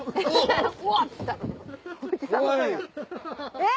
えっ？